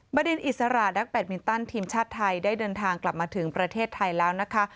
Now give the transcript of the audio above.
บดินอิสระนักแบตมินตันทีมชาติไทยได้เดินทางกลับมาถึงประเทศไทยแล้วนะคะ